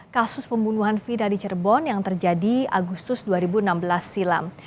kasus pembunuhan fida di cirebon yang terjadi agustus dua ribu enam belas silam